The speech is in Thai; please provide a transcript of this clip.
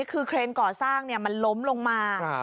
คือเครนก่อสร้างมันล้มลงมา